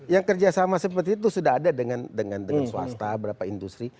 yang kerjasama seperti itu sudah ada dengan swasta beberapa industri